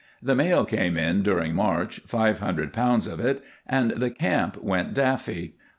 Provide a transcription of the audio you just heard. The mail came in during March, five hundred pounds of it, and the camp went daffy.